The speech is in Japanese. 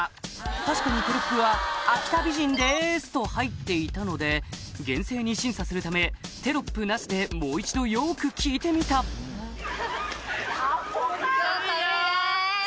確かにテロップは「秋田美人です」と入っていたので厳正に審査するためテロップなしでもう一度よく聞いてみた寒いです！